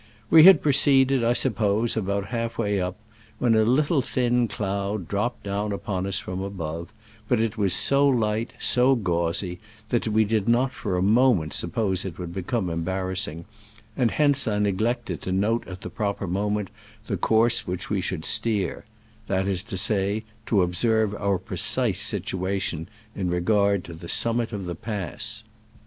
We had pro ceeded, I suppose, about halfway up, when a little thin cloud dropped down upon us from above, but It was so light, so gauzy, that we did not for a moment suppose that it would become embarrass ing, and hence I neglected to note at the proper moment the course which we should steer — that is to say, to observe our precise situation in regard to the summit of the pass.